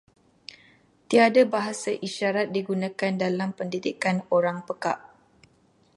Tiada bahasa isyarat digunakan dalam pendidikan orang pekak.